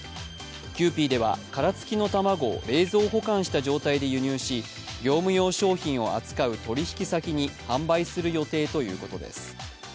キユーピーでは殻付きの卵を冷蔵保管した状態で輸入し業務用商品を扱う取引先に販売する予定ということです。